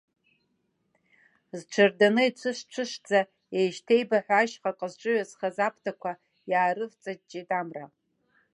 Зҽырданы ицәыш-цәышӡа еишьҭеибаҳәа ашьхаҟа зҿыҩазхаз, аԥҭақәа иаарывҵаҷҷеит амра.